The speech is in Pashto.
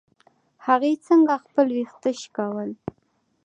هغې څنګه خپل ويښته شکول.